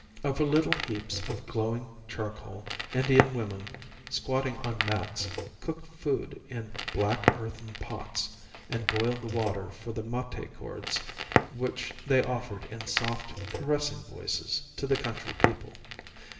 Over little heaps of glowing charcoal Indian women, squatting on mats, cooked food in black earthen pots, and boiled the water for the mate gourds, which they offered in soft, caressing voices to the country people.